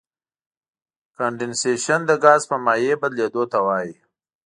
کنډېنسیشن د ګاز په مایع بدلیدو ته وایي.